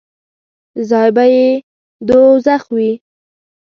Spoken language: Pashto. ځای به یې دوږخ وي.